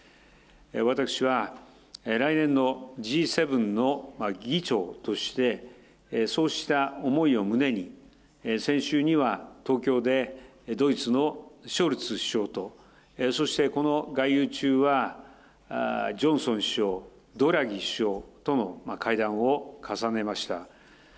私は、来年のＧ７の議長として、そうした思いを胸に、先週には東京でドイツのショルツ首相と、そしてこの外遊中はジョンソン首相、ドラギ首相との会談を重ねました。